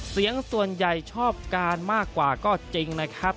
เสียงส่วนใหญ่ชอบการมากกว่าก็จริงนะครับ